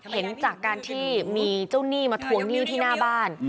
เห็นจากการที่มีเจ้าหนี้มาทวงหนี้ที่หน้าบ้าน